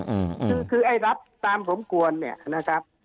คือคือไอ้รับตามสมควรเนี่ยนะครับ